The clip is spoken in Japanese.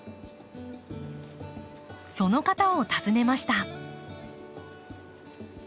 その方を訪ねました。